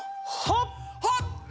はっ！